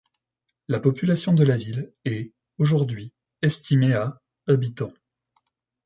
La population de la ville est, aujourd'hui, estimée à habitants.